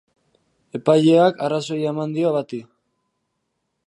Epaileak arrazoia eman dio bati.